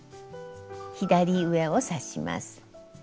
左上を刺します。